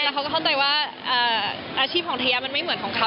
แล้วเขาก็เข้าใจว่าอาชีพของทะมันไม่เหมือนของเขา